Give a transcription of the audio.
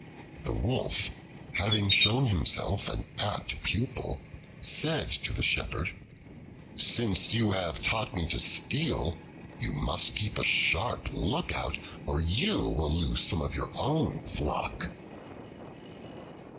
The Wolf, having shown himself an apt pupil, said to the Shepherd, "Since you have taught me to steal, you must keep a sharp lookout, or you will lose some of your own flock."